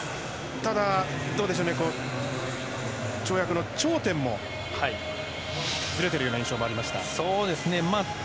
ただ、跳躍の頂点もずれているような印象もありました。